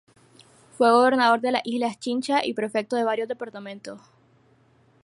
Fue gobernador de las islas Chincha y prefecto de varios departamentos.